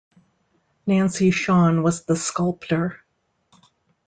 Nancy Schon was the sculptor.